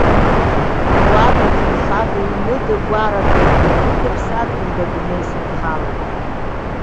Уада-ҭынхада, ҩныда-гәарада, жәларыда-ԥсадгьылда адунеи санхалеит!